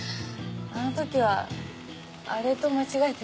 あの時はあれと間違えて。